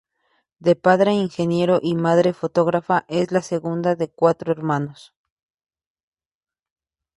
De padre ingeniero y madre fotógrafa es la segunda de cuatro hermanos.